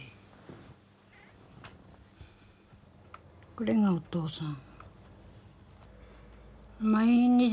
これがお父さん。